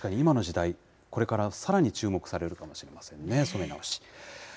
確かに、今の時代、これからさらに注目されるかもしれませんね、染め直し。